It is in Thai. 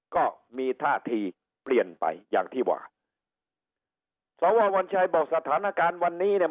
ก็มีท่าทีเปลี่ยนไปอย่างที่ว่าสววัญชัยบอกสถานการณ์วันนี้เนี่ย